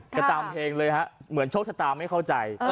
ก็ตามเพลงเลยฮะเหมือนโชคชะตาไม่เข้าใจ